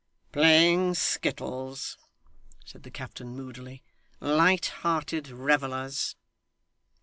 'Playing skittles!' said the captain moodily. 'Light hearted revellers!